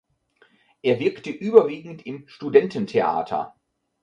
Er wirkte überwiegend im Studententheater.